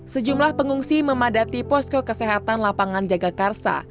sejumlah pengungsi memadati posko kesehatan lapangan jaga karsa